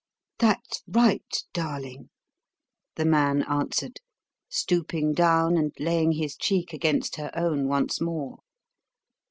"That's right, darling," the man answered, stooping down and laying his cheek against her own once more.